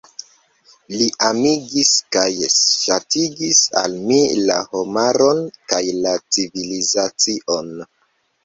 Li amigis kaj ŝatigis al mi la homaron kaj la civilizacion.